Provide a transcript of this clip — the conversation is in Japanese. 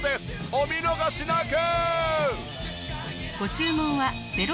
お見逃しなく！